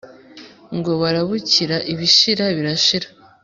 ngo barabukira ibishira birashira